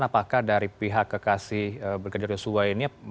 apakah dari pihak kekasih brigadir yusuf wa ini